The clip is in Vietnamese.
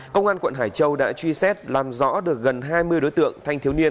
công an quận hải châu đã truy xét làm rõ được gần hai mươi đối tượng thanh thiếu niên